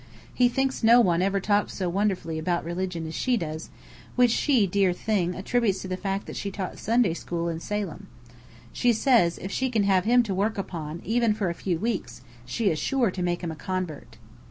He thinks no one ever talked so wonderfully about religion as she does, which she, dear thing, attributes to the fact that she taught Sunday school in Salem. She says, if she can have him to work upon even for a few weeks, she is sure to make him a convert.